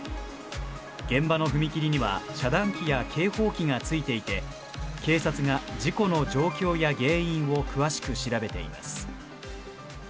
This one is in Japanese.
現場の踏切には、遮断機や警報機がついていて、警察が事故の状況や原因を詳しく調べています。